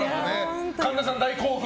神田さん、大興奮。